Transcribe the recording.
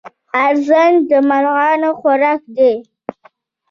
ارزن د مرغانو خوراک دی.